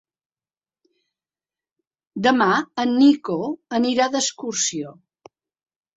Demà en Nico anirà d'excursió.